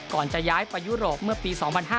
ก่อนจะย้ายไปยุโรปเมื่อปี๒๐๐๕